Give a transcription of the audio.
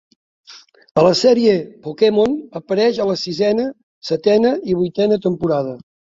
A la sèrie Pokémon apareix a la sisena, setena i vuitena temporada.